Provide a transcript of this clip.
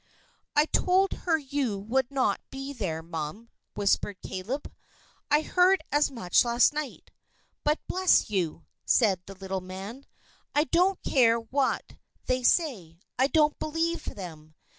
"I told her you would not be there, mum," whispered Caleb. "I heard as much last night. But bless you," said the little man, "I don't care what they say. I don't believe them.